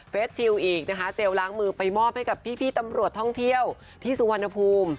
ชิลอีกนะคะเจลล้างมือไปมอบให้กับพี่ตำรวจท่องเที่ยวที่สุวรรณภูมิ